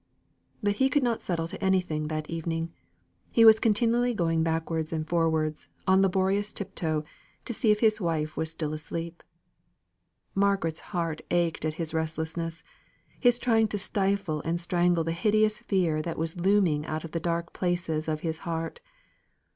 But he could not settle to anything that evening. He was continually going backwards and forwards, on laborious tiptoe, to see if his wife was still asleep. Margaret's heart ached at his restlessness his trying to stifle and strangle the hideous fear that was looming out of the dark places of his heart.